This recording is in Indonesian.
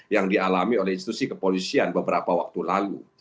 yang dialami oleh institusi kepolisian beberapa waktu lalu